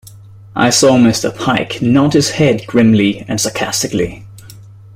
I saw Mr Pike nod his head grimly and sarcastically.